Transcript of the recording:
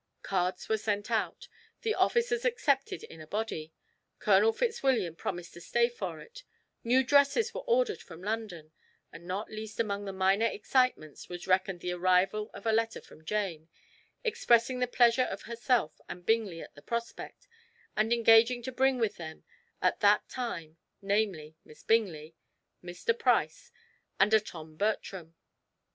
Cards were sent out; the officers accepted in a body; Colonel Fitzwilliam promised to stay for it; new dresses were ordered from London; and not least among the minor excitements was reckoned the arrival of a letter from Jane, expressing the pleasure of herself and Bingley at the prospect, and engaging to bring with them at that time, namely, Miss Bingley, Mr. Price and a Tom Bertram.